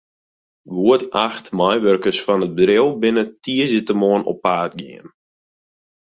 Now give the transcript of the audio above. Goed acht meiwurkers fan it bedriuw binne tiisdeitemoarn op paad gien.